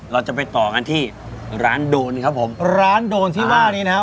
เราจะไปต่อกันที่ร้านโดนครับผมร้านโดนที่ว่านี้นะครับ